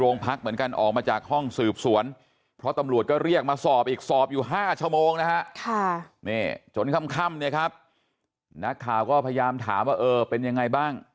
นักข่าวก็พยายามถามว่าเป็นยังไงบ้าง